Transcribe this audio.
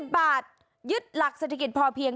บาทยึดหลักเศรษฐกิจพอเพียง